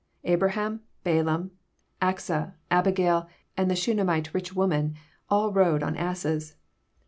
Abra ham, Balaam, Achsah, Abigail, and the Shunamlte rich woman, all rode on asses.